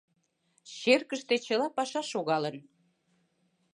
Черкыште чыла паша шогалын.